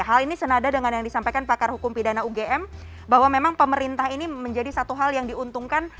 hal ini senada dengan yang disampaikan pakar hukum pidana ugm bahwa memang pemerintah ini menjadi satu hal yang diuntungkan